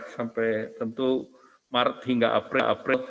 sampai tentu maret hingga april april